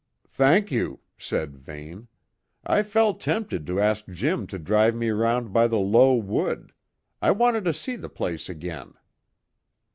"Thank you," said Vane. "I felt tempted to ask Jim to drive me round by the Low Wood; I wanted to see the place again."